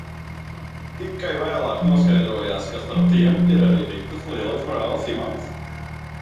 Tikai vēlāk noskaidrojās, ka starp tiem ir arī Ritas lielais brālis Imants.